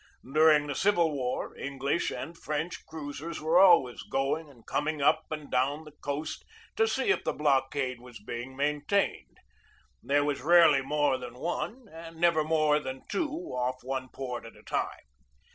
During the Civil War English and French cruisers were always going and coming up and down the coast to see if the blockade were being maintained. There was rarely more than one, and never more than two off one port at a time.